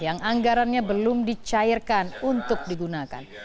yang anggarannya belum dicairkan untuk digunakan